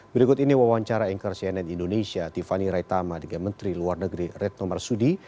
berikut ini wawancara anchor cnn indonesia tiffany raitama dengan menteri luar negeri retno marsudi